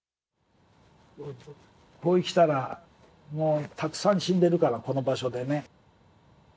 ここへ来たらもうたくさん死んでるからこの場所でね。